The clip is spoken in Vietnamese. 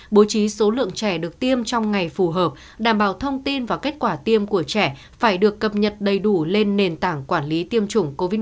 bố trí số lượng trẻ được tiêm trong ngày phù hợp đảm bảo thông tin và kết quả tiêm của trẻ phải được cập nhật đầy đủ lên nền tảng quản lý tiêm chủng covid một mươi chín